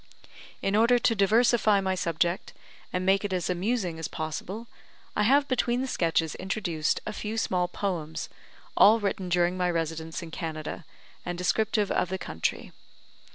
In order to diversify my subject, and make it as amusing as possible, I have between the sketches introduced a few small poems, all written during my residence in Canada, and descriptive of the country.